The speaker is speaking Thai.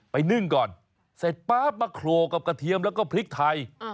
นึ่งก่อนเสร็จป๊าบมาโครกับกระเทียมแล้วก็พริกไทย